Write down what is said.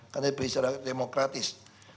karena diperlisihkan demokratis